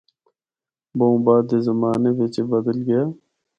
بہوں بعد دے زمانے وچ اے بدل گیا۔